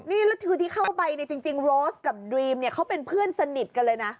นี่แล้วที่เข้าไปจริงรอสกับดรีมเขาเป็นเพื่อนสนิทกันเลยนะ